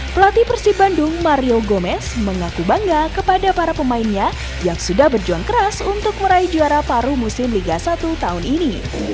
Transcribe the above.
pelatih persib bandung mario gomez mengaku bangga kepada para pemainnya yang sudah berjuang keras untuk meraih juara paru musim liga satu tahun ini